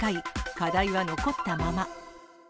課題は残ったまま。